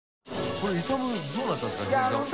これ「イサム」どうなったんですか？